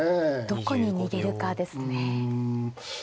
どこに逃げるかですね。